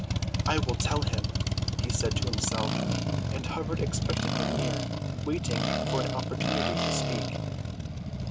"I will tell him," he said to himself, and hovered expectantly near, waiting for an opportunity to speak.